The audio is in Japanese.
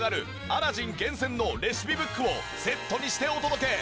アラジン厳選のレシピブックをセットにしてお届け。